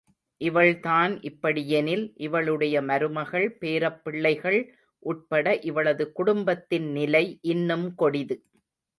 இவள்தான் இப்படியெனில், இவளுடைய மருமகள் பேரப் பிள்ளைகள் உட்பட்ட இவளது குடும்பத்தின் நிலை இன்னும் கொடிது.